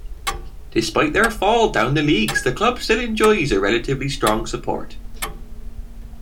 Despite their fall down the leagues the club still enjoys a relatively strong support.